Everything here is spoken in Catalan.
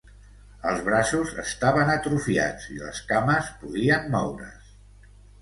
Els braços estaven atrofiats i les cames podien moure's.